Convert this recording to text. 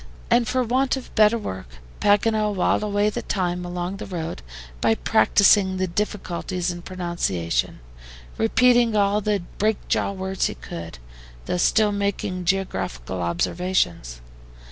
And for want of better work, Paganel whiled away the time along the road by practising the difficulties in pronunciation, repeating all the break jaw words he could, though still making geographical observations.